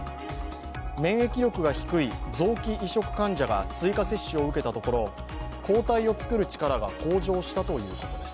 免疫力が低い臓器移植患者が追加接種を受けたところ抗体を作る力が向上したということです。